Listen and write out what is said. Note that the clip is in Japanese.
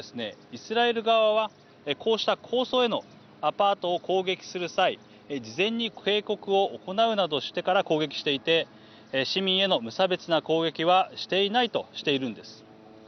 イスラエル側はこうした高層へのアパートを攻撃する際事前に警告を行うなどしてから攻撃していて市民への無差別な攻撃はしていないとしているんです。